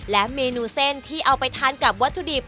และเมนูเส้นที่เอาไปทานกับวัตถุดิบ